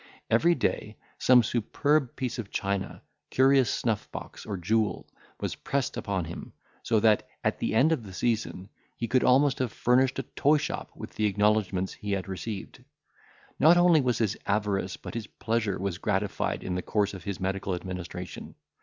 Every day some superb piece of china, curious snuffbox, or jewel, was pressed upon him; so that, at the end of the season, he could almost have furnished a toyshop with the acknowledgments he had received. Not only his avarice, but his pleasure, was gratified in the course of his medical administration.